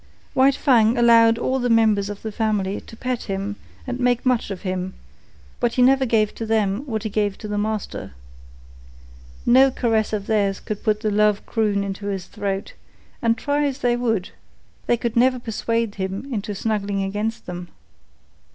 White Fang allowed all the members of the family to pet him and make much of him; but he never gave to them what he gave to the master. No caress of theirs could put the love croon into his throat, and, try as they would, they could never persuade him into snuggling against them.